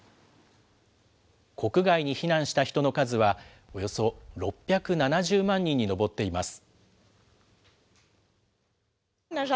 国外に避難した人の数は、およそ６７０万人に上っています。